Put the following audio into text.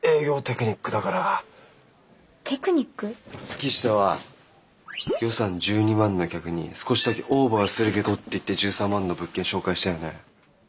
月下は予算１２万の客に「少しだけオーバーするけど」って言って１３万の物件紹介したよね？